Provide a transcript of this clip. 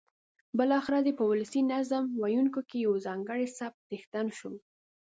بالاخره دی په ولسي نظم ویونکیو کې د یوه ځانګړي سبک څښتن شو.